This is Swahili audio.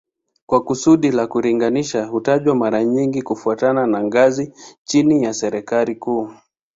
Kwa kusudi la kulinganisha hutajwa mara nyingi kufuatana na ngazi chini ya serikali kuu